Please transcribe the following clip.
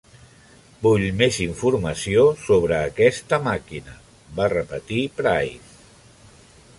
"Vull més informació sobre aquesta màquina", va repetir Price.